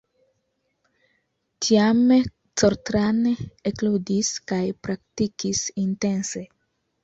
Tiame Coltrane ekludis kaj praktikis intense.